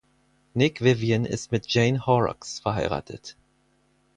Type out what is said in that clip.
Nick Vivian ist mit Jane Horrocks verheiratet.